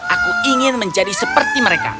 aku ingin menjadi seperti mereka